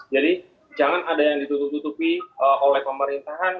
jadi jangan ada yang ditutup tutupi oleh pemerintahan